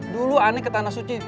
dulu aneh ke tanah suci